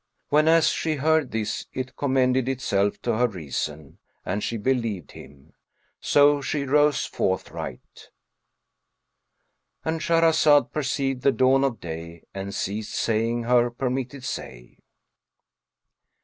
Whenas she heard this, it commended itself to her reason and she believed him; so she rose forthright;—And Shahrazad perceived the dawn of day and ceased saying her permitted say.